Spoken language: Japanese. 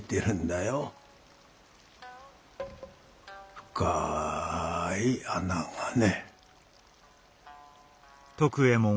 深い穴がね。